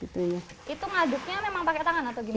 itu ngaduknya memang pakai tangan atau gimana